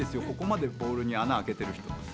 ここまでボールに穴開けてる人。